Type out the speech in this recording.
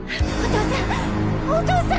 お父さん！